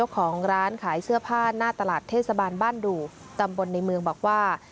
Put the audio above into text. ของร้านขายเสื้อผ้าหน้าตลาดเทศบาลบ้านดู่ตำบลในเมืองบอกว่า